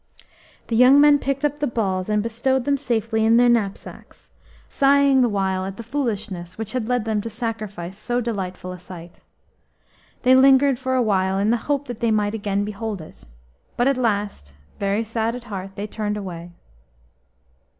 The young men picked up the balls and bestowed them safely in their knapsacks, sighing the while at the foolishness which had led them to sacrifice so delightful a sight. They lingered for awhile in the hope that they might again behold it, but at last, very sad at heart, they turned away.